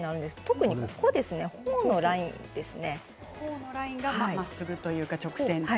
特にほおのラインですね。